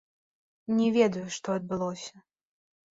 Не ведаю, што адбылося.